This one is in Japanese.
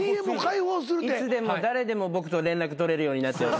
いつでも誰でも僕と連絡取れるようになって。